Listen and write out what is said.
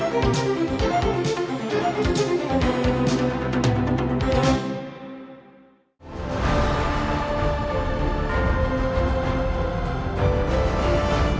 hẹn gặp lại